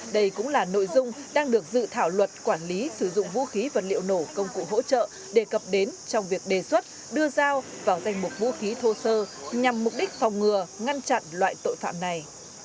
đây cũng là nội dung đang được dự thảo luật quản lý sử dụng vũ khí vật liệu nổ công cụ hỗ trợ đề cập đến trong việc đề xuất đưa dao vào danh mục vũ khí thô sơ nhằm mục đích phòng ngừa ngăn chặn loại tội phạm này